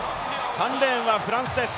３レーンはフランスです。